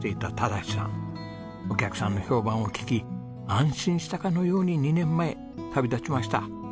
お客さんの評判を聞き安心したかのように２年前旅立ちました。